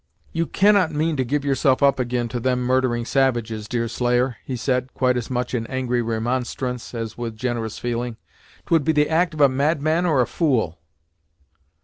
"You cannot mean to give yourself up ag'in to them murdering savages, Deerslayer!" he said, quite as much in angry remonstrance, as with generous feeling. "'Twould be the act of a madman or a fool!"